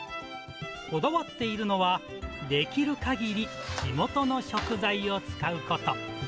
こだわっているのは、できるかぎり地元の食材を使うこと。